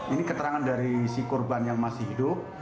ini keterangan dari si korban yang masih hidup